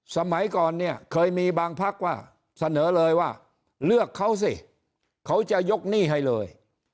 สมัยก่อนเนี่ยเคยมีบางพักว่าเสนอเลยว่าเลือกเขาสิเขาจะยกหนี้ให้เลย